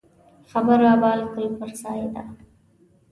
خبره بالکل پر ځای ده.